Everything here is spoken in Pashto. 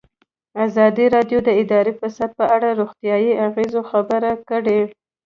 ازادي راډیو د اداري فساد په اړه د روغتیایي اغېزو خبره کړې.